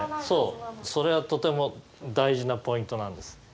そうそれはとても大事なポイントなんです。